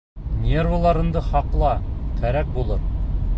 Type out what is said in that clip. Нервыларыңды һаҡла, кәрәк булыр.